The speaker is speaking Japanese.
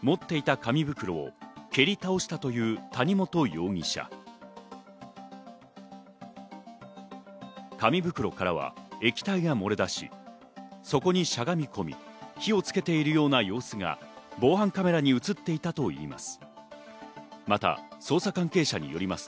紙袋からは液体が漏れ出し、そこにしゃがみこみ、火をつけているような様子が防犯カメラに映っていたといいます。